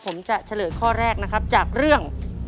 ผมจะเฉลยข้อแรกนะครับจากเรื่อง